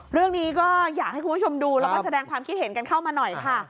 เรื่องนี้ก็อยากให้คุณผู้ชมดูแล้วก็แสดงความคิดเห็นกันเข้ามาหน่อยค่ะ